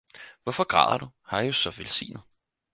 Hvorfor græder du? her er jo så velsignet!